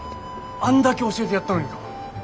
あんだけ教えてやったのにか！？